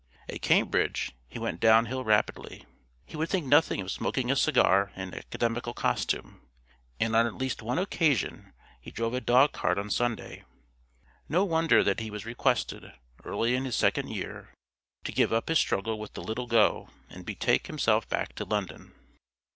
At Cambridge he went down hill rapidly. He would think nothing of smoking a cigar in academical costume, and on at least one occasion he drove a dogcart on Sunday. No wonder that he was requested, early in his second year, to give up his struggle with the Little go and betake himself back to London.